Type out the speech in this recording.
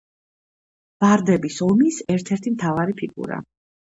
ვარდების ომის ერთ-ერთი მთავარი ფიგურა.